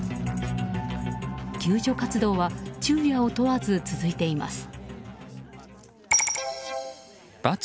救助作業は昼夜を問わず続いています。